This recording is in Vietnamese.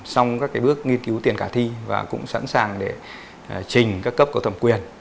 xong các bước nghiên cứu tiền cả thi và cũng sẵn sàng để trình các cấp cầu thẩm quyền